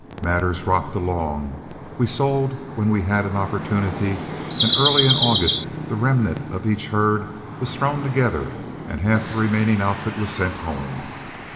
Matters rocked along, we sold when we had an opportunity, and early in August the remnant of each herd was thrown together and half the remaining outfit sent home.